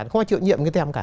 không ai chịu nhiệm cái tem cả